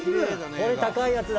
「これ高いやつだ！」